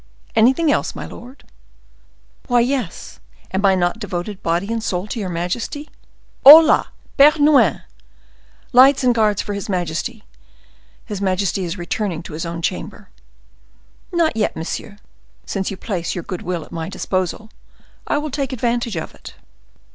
"Anything else, my lord?" "Why yes; am I not devoted body and soul to your majesty? Hola! Bernouin!—lights and guards for his majesty! His majesty is returning to his own chamber." "Not yet, monsieur: since you place your good will at my disposal, I will take advantage of it."